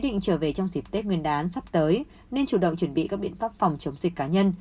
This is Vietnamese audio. dịp tết nguyên đán sắp tới nên chủ động chuẩn bị các biện pháp phòng chống dịch cá nhân